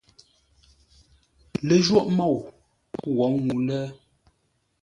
Lə́jwôghʼ môu wǒ ŋuu lə.